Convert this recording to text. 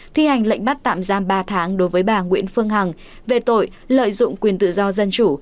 thi hành lệnh bắt tạm giam ba tháng đối với bà nguyễn phương hằng về tội lợi dụng quyền tự do dân chủ